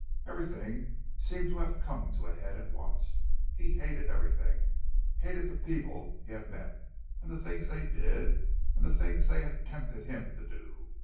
Everything seemed to have come to a head at once; and he hated everything—hated the people he had met, and the things they did, and the things they had tempted him to do.